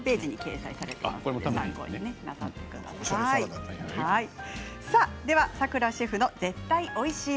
ご参考になさってください。